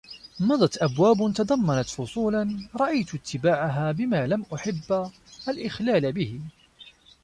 مَضَتْ أَبْوَابٌ تَضَمَّنَتْ فُصُولًا رَأَيْتُ إتْبَاعَهَا بِمَا لَمْ أُحِبَّ الْإِخْلَالَ بِهِ